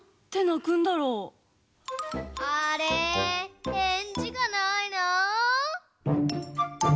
あれへんじがないな。